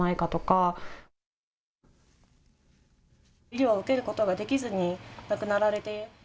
医療を受けることができずに亡くなられて。